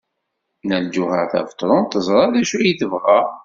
Nna Lǧuheṛ Tabetṛunt teẓra d acu ay tebɣa.